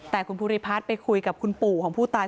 แต่คุณภูริพัฒน์ไปคุยกับคุณปู่ของผู้ตาย